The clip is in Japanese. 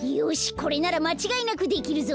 これならまちがいなくできるぞ。